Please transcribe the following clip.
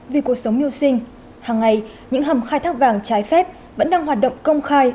vì cuộc sống miêu sinh hàng ngày những hầm khai thác vàng trái phép vẫn đang hoạt động công khai